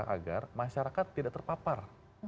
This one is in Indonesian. agar masyarakat tidak terpapar